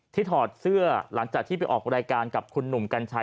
ถอดเสื้อหลังจากที่ไปออกรายการกับคุณหนุ่มกัญชัย